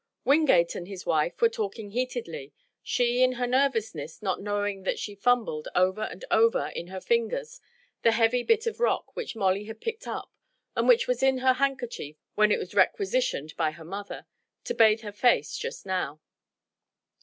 Wingate and his wife were talking heatedly, she in her nervousness not knowing that she fumbled over and over in her fingers the heavy bit of rock which Molly had picked up and which was in her handkerchief when it was requisitioned by her mother to bathe her face just now.